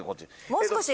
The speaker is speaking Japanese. もう少し。